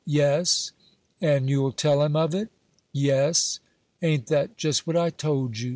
"Yes." "And you'll tell him of it?" "Yes." "Ain't that just what I told you?"